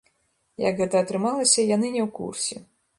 Як гэта атрымалася, яны не ў курсе.